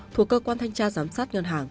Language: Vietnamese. thuộc cơ quan thanh tra giám sát ngân hàng